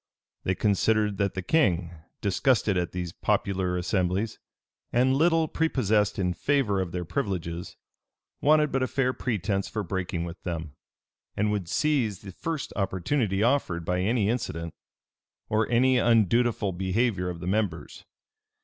They considered that the king, disgusted at these popular assemblies, and little prepossessed in favor of their privileges, wanted but a fair pretence for breaking with them, and would seize the first opportunity offered by any incident, or any undutiful behavior of the members.